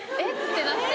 てなって。